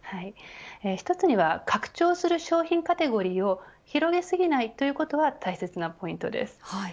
一つには拡張する商品カテゴリーを広げすぎないということが大切なポイントです。